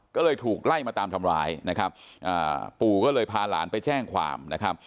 ก็เลยถูกไล่มาตามทำร้ายปู่ก็เลยพาหลานไปแจ้งความ